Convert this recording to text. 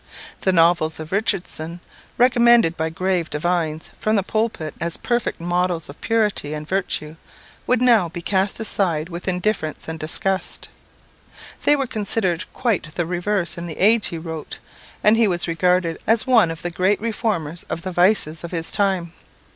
The novels of Richardson, recommended by grave divines from the pulpit as perfect models of purity and virtue, would now be cast aside with indifference and disgust. They were considered quite the reverse in the age he wrote, and he was regarded as one of the great reformers of the vices of his time.